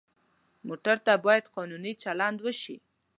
موټر ته باید قانوني چلند وشي.